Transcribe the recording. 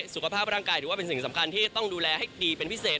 สุขภาพร่างกายถือว่าเป็นสิ่งสำคัญที่ต้องดูแลให้ดีเป็นพิเศษ